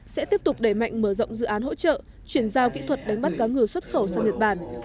sẽ tiếp tục đẩy mạnh mở rộng dự án hỗ trợ chuyển giao kỹ thuật đánh bắt cá ngừ xuất khẩu sang nhật bản